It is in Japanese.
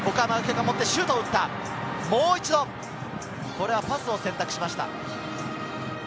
もう一度、パスを選択しました。